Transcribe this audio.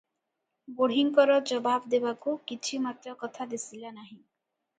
ବୁଢ଼ୀଙ୍କର ଜବାବ ଦେବାକୁ କିଛି ମାତ୍ର କଥା ଦିଶିଲା ନାହିଁ ।